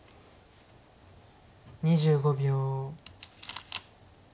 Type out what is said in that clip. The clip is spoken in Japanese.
２５秒。